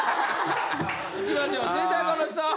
いきましょう続いてはこの人。